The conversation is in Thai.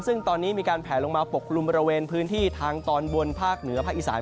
ซึ่งตอนนี้มีการแผลลงมาปกกลุ่มบริเวณพื้นที่ทางตอนบนภาคเหนือภาคอีสาน